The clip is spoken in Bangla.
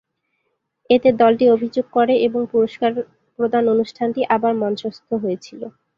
এতে দলটি অভিযোগ করে এবং পুরস্কার প্রদান অনুষ্ঠানটি আবার মঞ্চস্থ হয়েছিল।